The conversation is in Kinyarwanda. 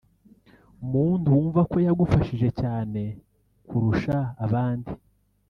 muntu wumva ko yagufashije cyane kurusha abandi